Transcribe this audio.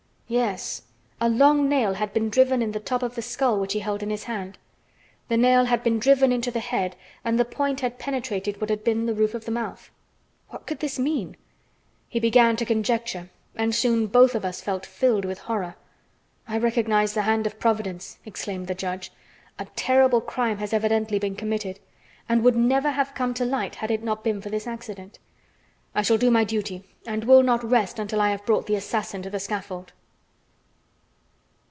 Yes, a long nail had been driven in the top of the skull which he held in his hand. The nail had been driven into the head, and the point had penetrated what had been the roof of the mouth. What could this mean? He began to conjecture, and soon both of us felt filled with horror. "I recognize the hand of Providence!" exclaimed the judge. "A terrible crime has evidently been committed, and would never have come to light had it not been for this accident. I shall do my duty, and will not rest until I have brought the assassin to the scaffold."